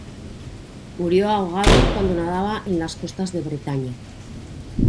Murió ahogado cuando nadaba en las costas de Bretaña.